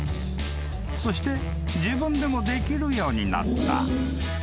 ［そして自分でもできるようになった］